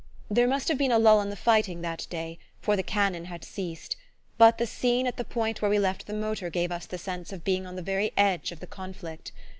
There must have been a lull in the fighting that day, for the cannon had ceased; but the scene at the point where we left the motor gave us the sense of being on the very edge of the conflict.